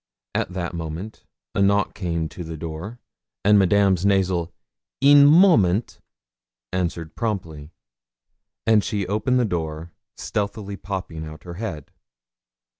At that moment a knock came to the door, and Madame's nasal 'in moment' answered promptly, and she opened the door, stealthily popping out her head.